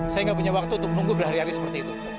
saya nggak punya waktu untuk menunggu berhari hari seperti itu